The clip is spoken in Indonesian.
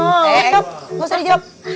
eh enggak enggak usah dijawab